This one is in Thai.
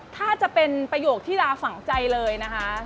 ถ้าจะเป็นประโยคที่ลาฝังใจเลยนะคะ